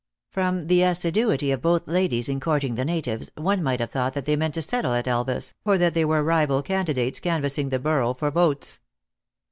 From the assiduity of both ladies in courting the natives, one might have thought that they meant to settle at Elvas, or that they were rival candidates canvassing the borough for votes.